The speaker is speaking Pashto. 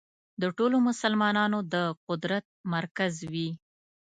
د ټولو مسلمانانو د قدرت مرکز وي.